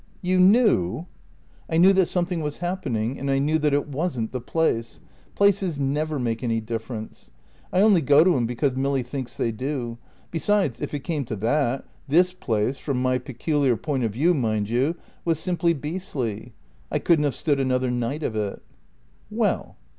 "You knew?" "I knew that something was happening, and I knew that it wasn't the place. Places never make any difference. I only go to 'em because Milly thinks they do. Besides, if it came to that, this place from my peculiar point of view, mind you was simply beastly. I couldn't have stood another night of it." "Well."